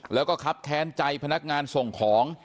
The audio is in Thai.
แล้วก็ครับแค้นใจพนักงานส่งของ